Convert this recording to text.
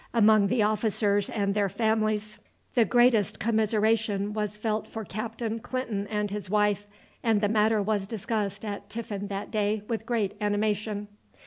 Among the officers and their families the greatest commiseration was felt for Captain Clinton and his wife, and the matter was discussed at tiffin that day with great animation.